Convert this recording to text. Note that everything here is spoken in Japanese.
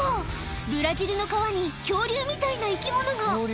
ブラジルの川に恐竜みたいな生き物が！